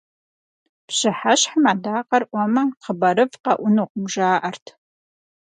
Пщыхьэщхьэм адакъэр Ӏуэмэ, хъыбарыфӀ къэӀунукъым жаӀэрт.